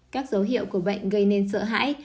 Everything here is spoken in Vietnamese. các dấu hiệu của bệnh gây nên sợ hãi